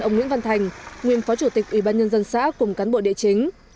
ông nguyễn văn thành nguyên phó chủ tịch ủy ban nhân dân xã cùng cán bộ địa chính